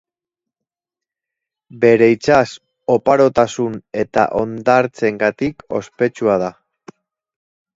Bere itsas oparotasun eta hondartzengatik ospetsua da.